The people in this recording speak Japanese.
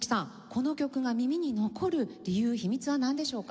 この曲が耳に残る理由秘密はなんでしょうか？